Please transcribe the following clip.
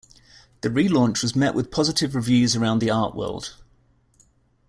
The relaunch was met with positive reviews around the art world.